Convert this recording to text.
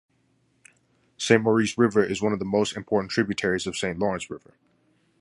Saint-Maurice river is one of the most important tributaries of Saint Lawrence river.